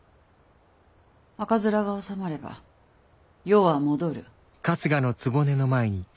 赤面が治まれば世は戻る。